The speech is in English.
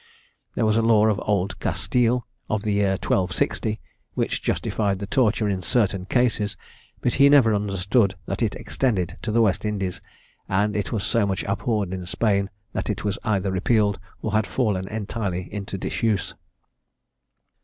There was a law of Old Castile, of the year 1260, which justified the torture in certain cases, but he never understood that it extended to the West Indies, and it was so much abhorred in Spain, that it was either repealed, or had fallen entirely into disuse.